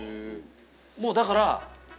もうだから。